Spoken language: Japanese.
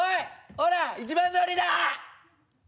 ほら一番乗りだ！